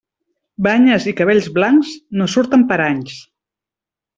Banyes i cabells blancs, no surten per anys.